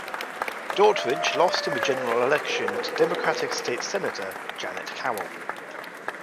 Daughtridge lost in the general election to Democratic State Senator Janet Cowell.